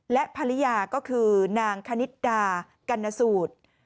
และภรรยาก็คือนางคณิตดากัณสูตร